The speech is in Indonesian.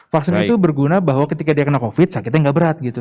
vaksin itu berguna bahwa ketika dia kena covid sakitnya nggak berat gitu